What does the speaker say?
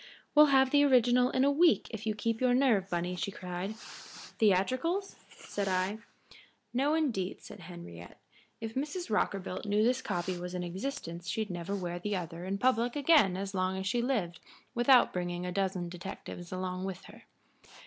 "We'll have the original in a week if you keep your nerve, Bunny," she cried. "Theatricals?" said I. "No, indeed," said Henriette. "If Mrs. Rockerbilt knew this copy was in existence she'd never wear the other in public again as long as she lived without bringing a dozen detectives along with her.